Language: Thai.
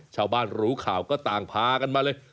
ชาวบ้านรู้ข่าวก็ต่างพากันมาเลย